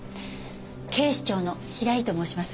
警視庁の平井と申します。